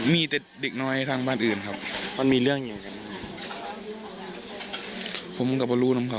มีแต่เด็กน้อยทางบ้านอื่นครับ